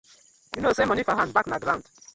Yu kow say moni for hand back na grawn.